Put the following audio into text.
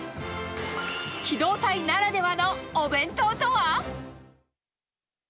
機動隊ならではのお弁当とは？